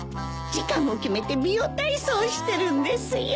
時間を決めて美容体操をしてるんですよ。